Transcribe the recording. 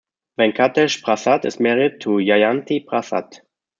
Venkatesh Prasad is married to Jayanthi Prasad.